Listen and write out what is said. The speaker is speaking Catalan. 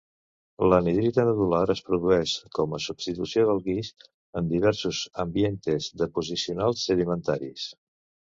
L'anhidrita nodular es produeix com a substitució del guix en diversos ambientes deposicionals sedimentaris.